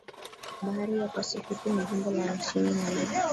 bahari ya Pasifiki Ni jimbo la hamsini na la